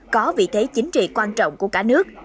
có vị thế chính trị quan trọng của cả nước